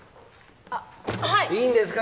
あっはいいいんですか